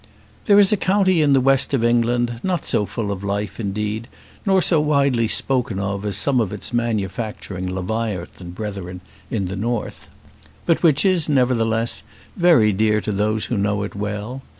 There is a county in the west of England not so full of life, indeed, nor so widely spoken of as some of its manufacturing leviathan brethren in the north, but which is, nevertheless, very dear to those who know it well.